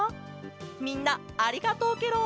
みんなありがとうケロ！